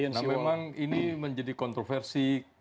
ya memang ini menjadi kontroversi